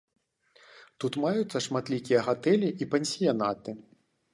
Тут маюцца шматлікія гатэлі і пансіянаты.